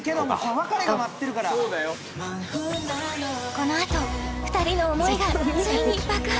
このあと２人の思いがついに爆発！